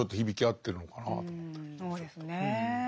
そうですね。